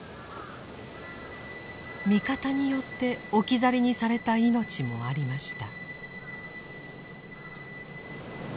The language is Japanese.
味方によって置き去りにされた命もありました。